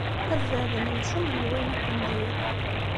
Ad beɛden yimcumen d wayen akk n dir.